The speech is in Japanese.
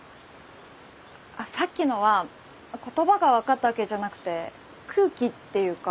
あさっきのは言葉が分かったわけじゃなくて空気っていうか。